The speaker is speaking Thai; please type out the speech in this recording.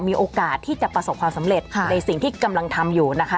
มีโอกาสที่จะประสบความสำเร็จในสิ่งที่กำลังทำอยู่นะคะ